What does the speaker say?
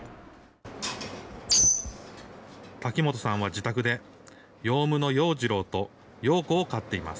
瀧本さんは自宅で、ヨウムのヨウジロウとヨウコを飼っています。